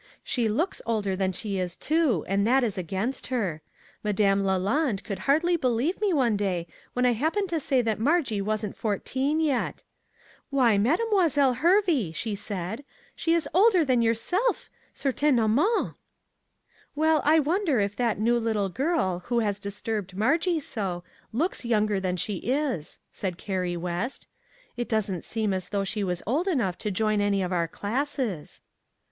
She looks older than she is, too ; and that is against her. Ma dame LaLande could hardly believe me one day when I happened to say that Margie wasn't fourteen yet. ' Why, Mademoiselle Hervey !' she said, ' she is older than yourself, certainmente.' '" Well, I wonder if that new little girl, who has disturbed Margie so, looks younger than she is," said Carrie West. " It doesn't seem as though she was old enough to join any of our classes."